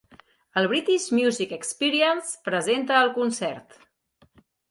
El British Music Experience presenta el concert.